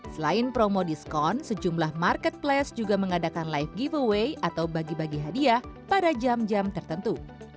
selain promo diskon sejumlah marketplace juga mengadakan live giveaway atau bagi bagi hadiah pada jam jam tertentu